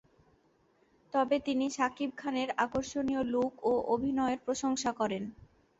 তবে তিনি শাকিব খানের আকর্ষণীয় লুক ও অভিনয়ের প্রশংসা করেন।